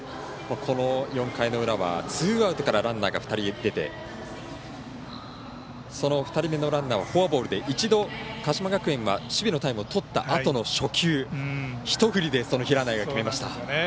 ４回の裏はツーアウトからランナーが２人出てその２人目のランナーをフォアボールで一度、鹿島学園は守備のタイムをとったあとの初球をひと振りで平内が決めました。